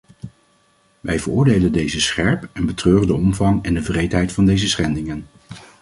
Wij veroordelen deze scherp en betreuren de omvang en de wreedheid van deze schendingen.